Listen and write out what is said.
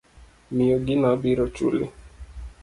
Miya gino abiro chuli.